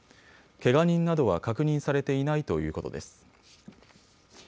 けが人などは確認されていないということです。